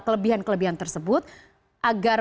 kelebihan kelebihan tersebut agar